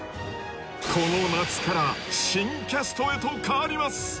この夏から新キャストへと変わります